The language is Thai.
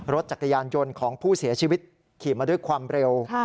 รถจักรยานยนต์ของผู้เสียชีวิตขี่มาด้วยความเร็ว